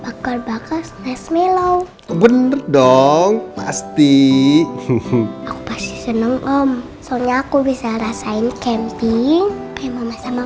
bakar bakar nasmi low bener dong pasti aku pasti seneng om soalnya aku bisa rasain camping sama